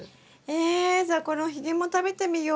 えじゃあこのひげも食べてみよう。